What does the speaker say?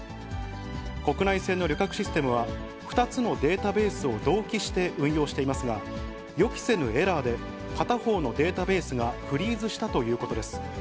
国内線の旅客システムは、２つのデータベースを同期して運用していますが、予期せぬエラーで、片方のデータベースがフリーズしたということです。